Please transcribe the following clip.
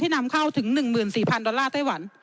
นำเข้าถึง๑๔๐๐ดอลลาร์ไต้หวัน